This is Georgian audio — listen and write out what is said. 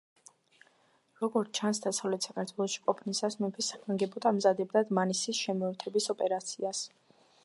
როგორც ჩანს, დასავლეთ საქართველოში ყოფნისას მეფე საგანგებოდ ამზადებდა დმანისის შემოერთების ოპერაციას.